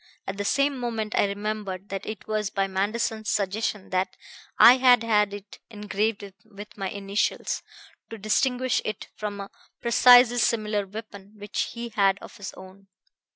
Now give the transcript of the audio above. At the same moment I remembered that it was by Manderson's suggestion that I had had it engraved with my initials, to distinguish it from a precisely similar weapon which he had of his own.